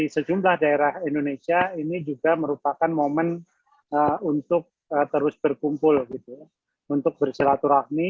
sejumlah daerah indonesia ini juga merupakan momen untuk terus berkumpul gitu untuk bersilaturahmi